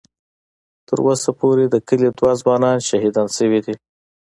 ـ تر اوسه پورې د کلي دوه ځوانان شهیدان شوي دي.